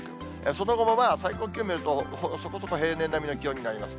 その後も最高気温見ると、そこそこ平年並みの気温になります。